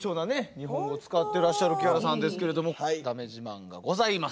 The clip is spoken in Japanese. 日本語使ってらっしゃるキアラさんですけれどもだめ自慢がございます。